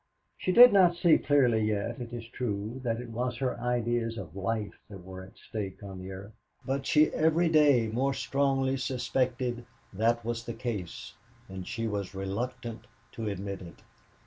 She did not see clearly yet, it is true, that it was her ideas of life that were at stake on the earth; but she every day more strongly suspected that was the case, and she was reluctant to admit it.